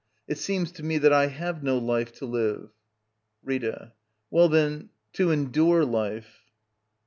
] It seems to me that I have no life to live. 'Rita. Well, then, to endure life.